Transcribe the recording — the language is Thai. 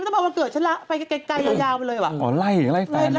ไม่ต้องเอาวันเกิดฉันนะไปไกลยาวไปเลยว้ะอ๋อไล่ไล่แฟน